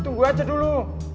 itu gue aja dulu